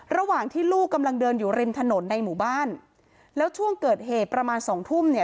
ระหว่างที่ลูกกำลังเดินอยู่ริมถนนในหมู่บ้านแล้วช่วงเกิดเหตุประมาณสองทุ่มเนี่ย